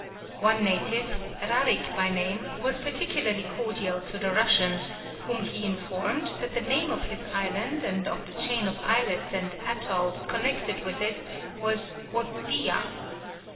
One native, Rarik by name, was particularly cordial to the Russians, whom he informed that the name of his island and of the chain of islets and attolls connected with it was Otdia.